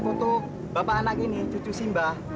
foto bapak anak ini cucu simba